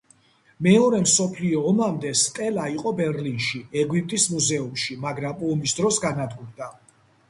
მეორე მსოფლიო ომამდე სტელა იყო ბერლინში ეგვიპტის მუზეუმში, მაგრამ ომის დროს განადგურდა.